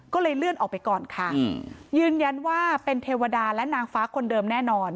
ก็เลยเลื่อนออกไปก่อนค่ะยืนยันว่าเป็นเทวดาและนางฟ้าคนเดิมแน่นอน